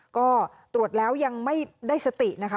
ก็ตรวจแล้วยังไม่ได้สตินะคะ